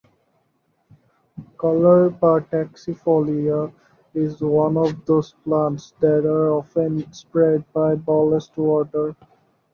Caulerpa taxifolia is one of those plants that are often spread by ballast water.